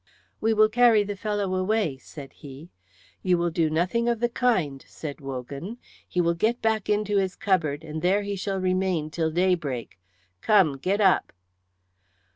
"We will carry the fellow away," said he. "You will do nothing of the kind," said Wogan. "He shall get back into his cupboard and there he shall remain till daybreak. Come, get up!"